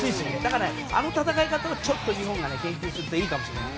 あの戦い方を、日本が研究するといいかもしれない。